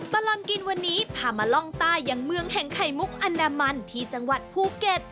ตลอดกินวันนี้พามาล่องใต้ยังเมืองแห่งไข่มุกอนามันที่จังหวัดภูเก็ต